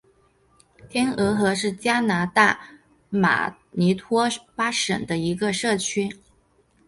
天鹅河是加拿大马尼托巴省的一个社区。